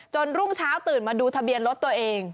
รุ่งเช้าตื่นมาดูทะเบียนรถตัวเอง